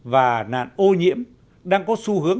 và nạn ô nhiễm đang có xu hướng